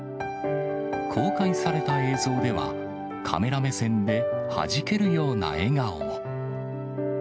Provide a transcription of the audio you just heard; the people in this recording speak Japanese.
公開された映像では、カメラ目線で、弾けるような笑顔も。